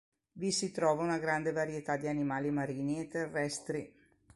Vi si trova una grande varietà di animali marini e terrestri.